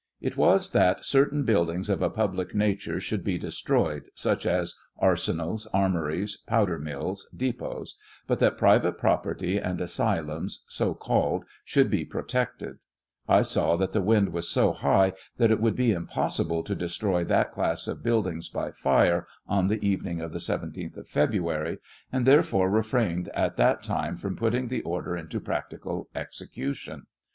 It was that certain buildings of a public nature shovfld be destroyed, such as arsenals, armories, pow der mills, depots ; but that private property and asy lums, so called, should be protected ; 1 saw that the wind was so high that it would be impossible to de stroy that class of buildings by firo on the evening of the 17th of February, and, therefore, refrained at that time from putting the order into practical execution.